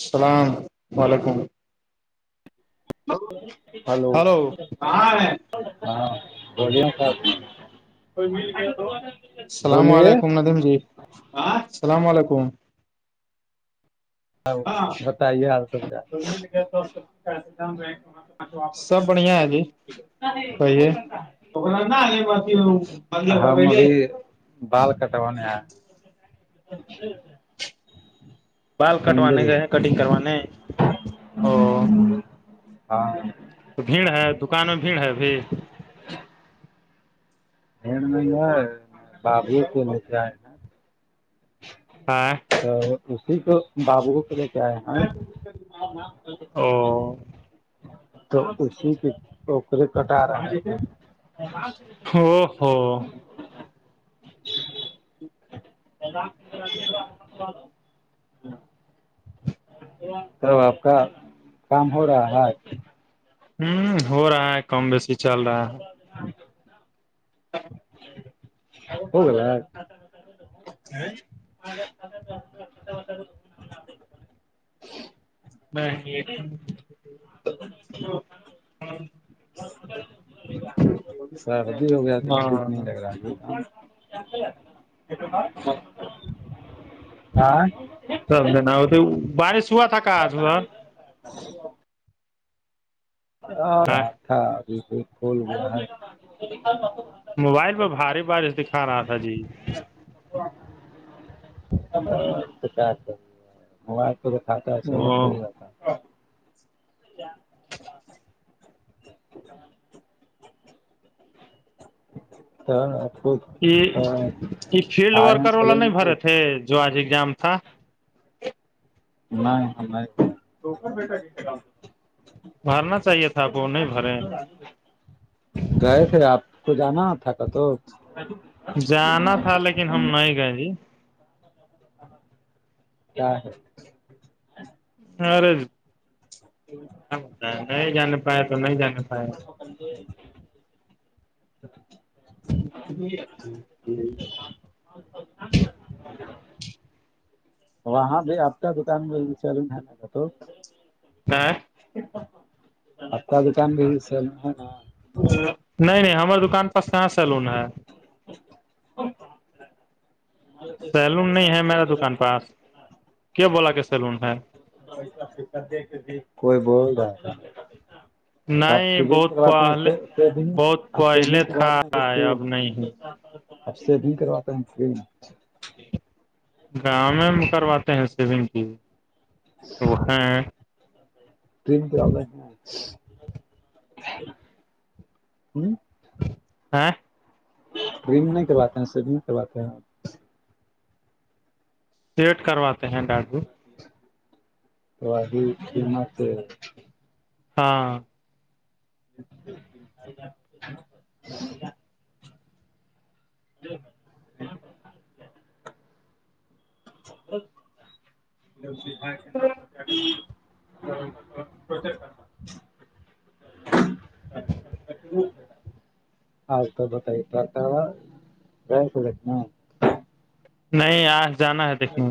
السلام علیکم ہلو السلام ہاں بولیے ساحب مل گیا تو السلام علیکم ندیم جی السلام علیکم ا بتائیے آال س چا واپس ہون سب بڑھیا ہے جی ہے کہیے ہم ابھی بال کٹوانے آئے اچھا اچ بال کٹونے گ کٹنگ کرنے ا ہاں تو بھیڑ ہے دکان میں بھیڑ ہے بھی م میں باب کے م سے آئے ہیں آاں تو اسی کو بابو کو دیک کیا ہ او تو اسی سے پوکری کٹ رہا ہو ہو توب آپ کا کام ہو رہا ہے ہوں ہو رہا ہے کم بیسی چل رہا ہے ہاں ہاں ہوا میں یہ سردی ہو گیا تو ہاں ٹھیک نہیں لگ رہا آاں سم دنا ہو تو بارش ہوا تھا کا آج س جی ہ ہاں تھاک پھول ب موبائل پہ بھاری بارش دکھا رہا تھا جی تو کیا کاتا ہے س ک او جاتا اچ ہ کو یہ یہ فیلڈ ورکر والا سولہ نہیں تو بھرے تھے جو آج اگزام تھا نہیں بھرنا چاہیے تھا آپ کو نہیں بھرے گئے تھے آپ کو جانا تھا کا تو جانا تھا لیکن ہم نہیں گئے جی کیا ہے ہاں رض کیا ہوتا ہے نہیں جانے پایا تو نہیں جانا پایا [inaudible] [inaudible] [inaudible] وہاں بھی آپ کا دکان چل ہے ما تو ہاں آپتا دکان بھی س نہیں نہیں ہمار دکان پاس کہاں سیلون ہے [inaudible] سیلون نہیں ہے میرا دکان پاس کیا بولا کہ سیلون ہے [inaudible] نہیں بہت پہلے بہت پہلے تھا [inaudible] اب نہیں ہے۔ [inaudible] [inaudible] [inaudible] [inaudible] [inaudible] [unintelligible] ڈم نہیں کرواتے ہیں سب میں کرواتے ہیں ویٹ کرواتے ہیں ڈاکٹجو تو قیمت ہاں [unintelligible] [inaudible] [inaudible] [inaudible] [inaudible] نہیں آج جانا ہے دیکھیں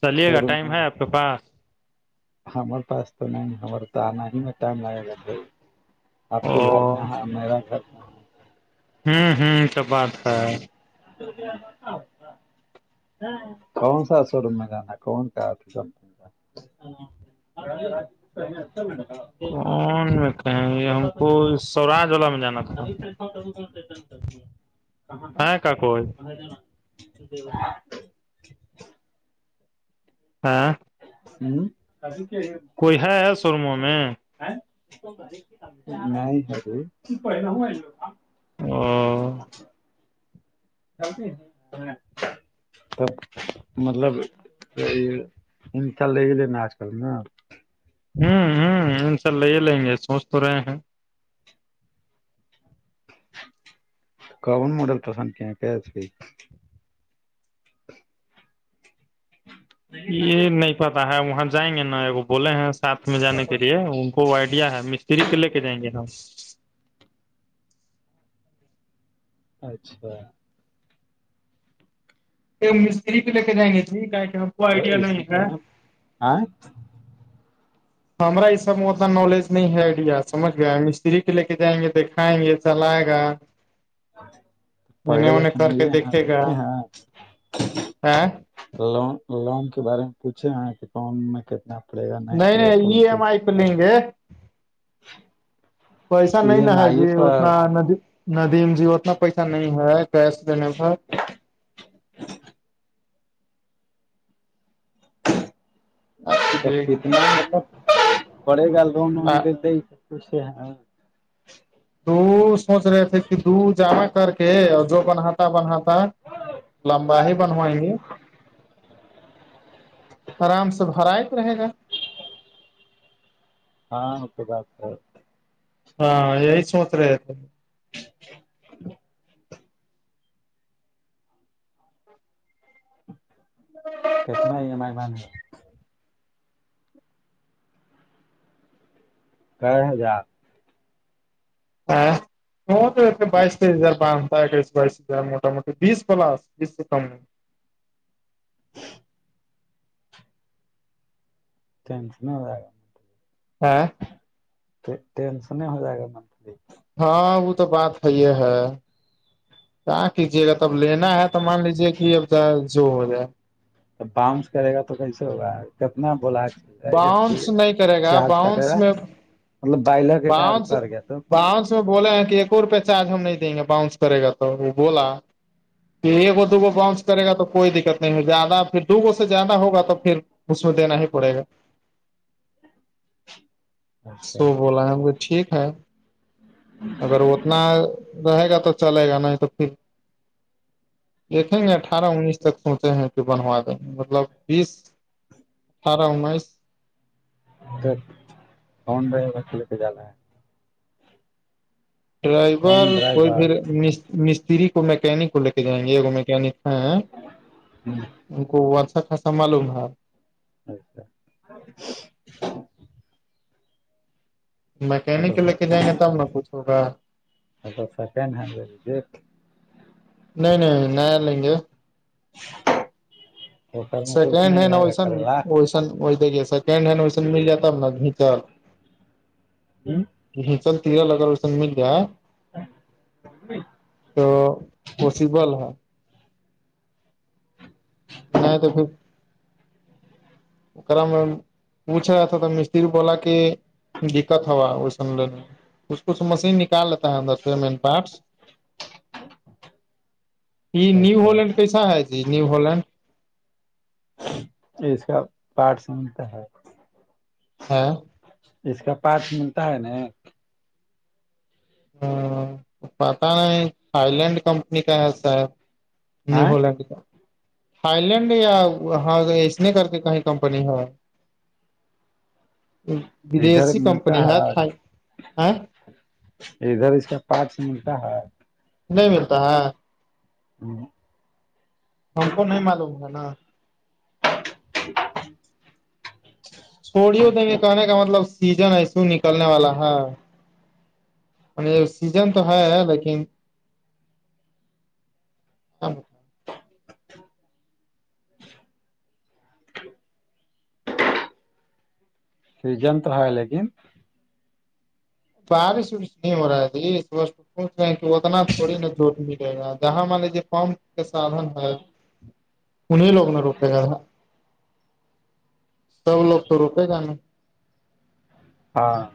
چلیے شو گا ٹائم ہے آپ کے پاس ہمے پاس تو نہیں ہم تو آنا ہی میں ٹائم لگے گا آپ او کو گھر کہاں میرا گھر کہاں ہے ہوں ہوں سب بات ہے [inaudible] کون سا س روم میں جانا کون سا تھا کمپنی کا [unintelligible] [inaudible] ہاں کاکز [unintelligible] ہاں ہوں [inaudible] کوئی ہے سرمو میں نہیںر ہو [unintelligible] [inaudible] [inaudible] ہوں ہوں ان شاء اللہ یہ لیں گے سوچ تو رہے ہیں کون ماڈل پسند کیا کہ یہ نہیں پتا ہے وہاں جائیں گے نا بولے ہیں ساتھ میں جانے کے لیے وہ آئیڈیا ہے مستری کے لے کے جائیں گے ن اچھا مستری پہ لے کے جائیں گے جی گ کوئی آئیڈیا نہیں ہے آاں ہمارا اس سب میں اتنا نالج نہیں ہے آئیڈیا سمجھ گیا مستری کے لے کے جائیں گے دیکھ کائیں گے چلاائے گا انہیں پہلے جا انہیں کے کر ملے ہیں گا دیکھے ہیں ا ل لون کے بارے میں پوچھے ہیں لون میں کتنا پڑے گا نہیں کہ نہیں ای ایم پروسیس آئی پ لیں گے پیسا ای نہیں نہ ایم ہے آئی ابھی اتنا پر ندی ندیم جی اتنا پیسہ نہیں ہے گیس لینے پر [inaudible] آپ تو کیجیے گا کتناطب پڑے گا لون د ہی سبچ سے تو سوچ رہے تھے کہ د جامع کر کے اور جو بناتا بناتا لمبا ہے بنوا یہ آرام سے بریت رہے گا ہاں ات بتا ہاں یہ س ہوتر ہے ہ ہ کتنا ہے مہربان کیا ہزار ہاں ن تو بائیس تر بتا کرس بائس موٹ موٹی بیس پلاس بیس سے کم ٹینن ہاں ٹینسن نہیں ہو جائے گا منتھلی ہاں وہ تو بات ہےی ہے ہے کہاں کیجے گا تب لینا ہے تو مان لیجے کہ اب جو ہو جائے باؤنس کرے گا تو کیسے ہوگا کتنا بولا باؤنس نہیں کرے گا چارج باؤنس کٹیرا میں مطلب بائلوں کے کا کر گیا تو اس میں بولے ہیں کہ ایک روپئے چارج ہم نہیں دیں گے باؤنس کرے گا تو وہ بولا ایک دوگو بؤنس کرے گا تو کوئی دقت نہیں ہے زیادہ پھر دوگو سے زیادہ ہوگا تو پھر اس میں دینا ہی پڑے گا اچھا سو بولا ٹھیک ہے اگر اتنا رہے گا تو چلے گا نہیں تو پھر دیکھیں گے اٹھارہ انیس تک سوچے ہیں کہ بنوا دیں گے مطلب بیس اٹھارہ انیس فن رہے گا کھیلتے جانا ہے کون ڈرائیور کوئی پ ڈرائیور مستری کو میکینک کو لے کے جائیں گے میکینک ہیں ہوں ان کو و سا خاصا معلوم ہے اچھا ہ میکینک لے کے جائیں گے تب نہ پوچھو گا اچھا سیکنڈ ہینڈ لے لیجیے نہیں نہیں نیا لیں گے وہ سر م کسناائے گا کرارلہ د سیکنڈ ہینڈ ویسن مل جاتا نا نھیچل چل تیرا لگا مل جائے تو پاسبل ہے نہیں تو پھر کرا میںم پوچھ رہا تھا تھا مستری بولا کے دقت ہوا اس س ل اسچ کھ مشین نکال لیتا ہے اندر سے مین پارٹس یہ نیو اچھا ہولینڈ کیسا ہے جی نیو ہولینڈ اس کا پاٹ سنتا ہے ہاں اس کا پارٹ ملتا ہے نا ہ پتا نہیں تھاائی لینڈ کمپنی کا ہے سار نیولینڈ کا تھاائی لینڈ یا وہاں اس نے کر کے کہیں کمپنی ہے ادھر ودیشی ملتا کمپنی ہے ا ادھر اس کا پارچ ملٹا ہے نہیں ملتا ہے ہ ہم کو نہیں معلوم گا نا چھوڑی دیںے کہنے کا مطلب سیزن ایسو نکلنے والا ہے سیزن تو ہے لیکن س جنتر ہے لیکن بارش بس ن ہوور آی ص پوچھ رہے ہیں کہ اتنا تھوڑی نا جھوٹ ملے گا جہاں مان لیجیے فم کے سادھن ہے انیں لوگ نے روکے گا تھا سب لوگ تو روکے گا نہیں ہاں [unintelligible]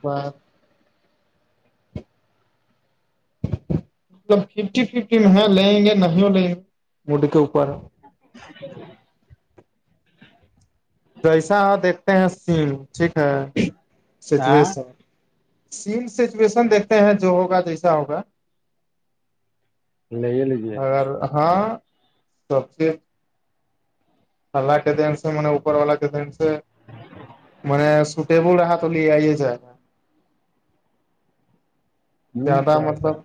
پا [unintelligible] مطلب ففٹی ففٹی میں ہے لیں گے نہیں لیں گے مڈ کے اوپر [unintelligible] جچا [unintelligible] جیسا دیکھتے ہیں سین ٹھیک ہے ہاں سچویشن سیم سچویشن دیکھتے ہیں جو ہوگا جیسا ہوگا لے لیجیے اگر ہاں سب سے تھ کے دن سے اپر والا ک دن سے م سٹبل رہا تو لے آ یہ جائےا [inaudible] زیادہ کیا ہوتا مطلب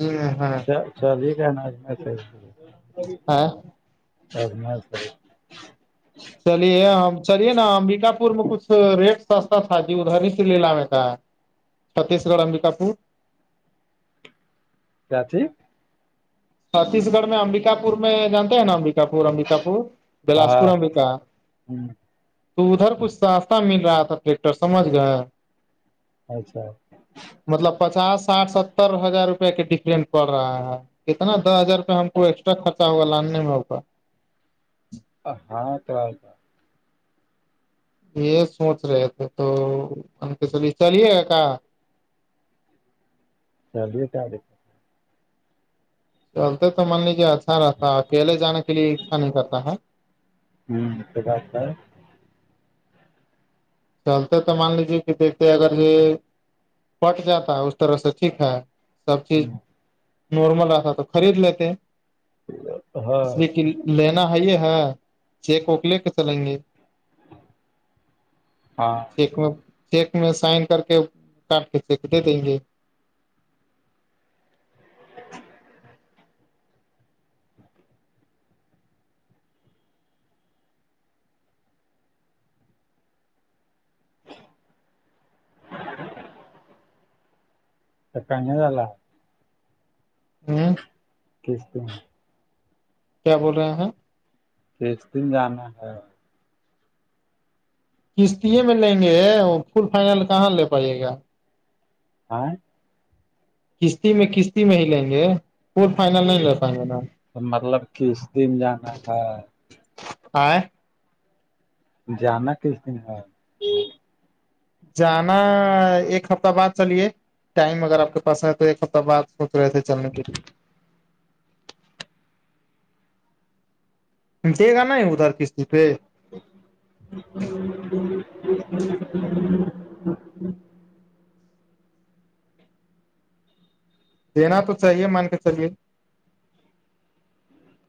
یہ [unintelligible] چ چل ہی کہناج میں ہاں [unintelligible] اور م س چلیے ہم چلیے نا امبکا پور میں کچھ ریٹ سستا تھا جی ادھر ہی سے لیلا میں کا چھتیس گڑ امبکا پور [unintelligible] کیا تھی چھتیس گڑ میں امبکا پور میں جانتے نا امبکا پور امب پ بلاس ہاں پورم لکا تو ادھر کچھ ساستہ مل رہا تھا ٹریکٹر سمجھ گئے اچھا مطلب پچاس ساٹھ ستر ہزار روپے کے ڈفرینٹ پڑ رہا ہے [unintelligible] کتنا دس ہزارپ ہم کو ایکسٹرا خرچا ہوگا لاننے میں ہوگا ہاں توتا یہ سوچ رہے تھے تو ان کے چلی چلیے کہ چلیی چے چلتے تو مان لیجیے اچھا رہتا اکیلے جانے کے لیے اچھا نہیں کرتا ہے ہوں تو بات ہے چلتے تو مان لیجیے کہ دیکھتے اگر یہ پٹ جاتا ہے اس طرح سے ٹھیک ہے سب چیز نارمل رہتا تو خرید لیتے ہاں اس لیے کہ لینا ہے یہ ہے چیک وک لے کے چلیں گے ہاں [unintelligible] چیک میں چیک میں سائن کر کے کاٹ کے چیک دے دیں گے [unintelligible] ہمم کس دن کیا بول رہے ہیں کس دن جانا ہے کستیے میں لیںگے ہے فل فائنل کہاں لے پایے گا ہایں کستی میں کستی میں ہی لیں گے فل فائنل نہیں لے پاینگے نا مطلب کس دن جانا ہے ہایں جانا کس دن ہے جانا ایک ہفتہ بعد چلیے ٹائم اگر آپ کے پاس ہے تو ایک ہفتہ بعد سوچ رہے تھے چلنے کے لیے [unintelligible] [inaudible] [inaudible] دینا تو چاہیے مان کے چلیے